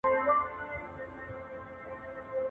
ایا بهرني سوداګر کاغذي بادام اخلي؟